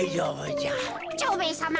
蝶兵衛さま